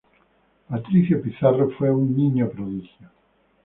Patricio Pizarro fue un niño prodigio.